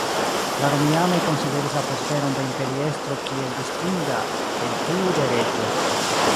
La Romianoj konsideris la postenon de imperiestro kiel distinga el tiu de reĝo.